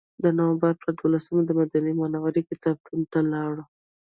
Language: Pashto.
د نوامبر په دولسمه دمدینې منورې کتابتون ته لاړو.